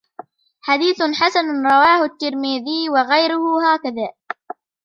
حديثٌ حَسَنٌ رواه التِّرمذيُّ وغيرُه هكذا